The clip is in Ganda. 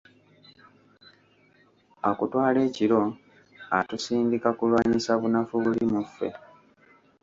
Akutwala ekiro, atusindika kulwanyisa bunafu buli mu ffe.